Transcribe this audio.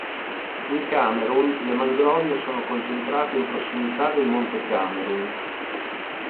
In Camerun le mangrovie sono concentrate in prossimità del monte Camerun.